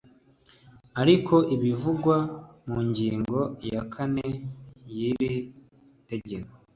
ariko ibivugwa mu ngingo ya kane y iri tegeko